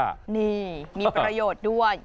นี่มีประโยชน์ด้วย